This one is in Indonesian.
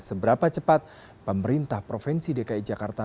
seberapa cepat pemerintah provinsi dki jakarta